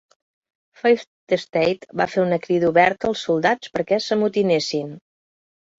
"Fifth Estate" va fer una crida oberta als soldats per que s'amotinessin.